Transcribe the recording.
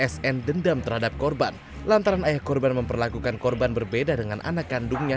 sn dendam terhadap korban lantaran ayah korban memperlakukan korban berbeda dengan anak kandungnya